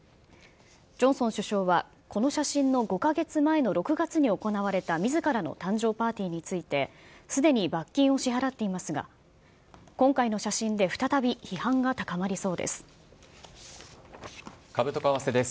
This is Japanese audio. ジョンソン首相は、この写真の５か月前の６月に行われたみずからの誕生パーティーについて、すでに罰金を支払っていますが、今回の写真で再び批判が高まりそうです。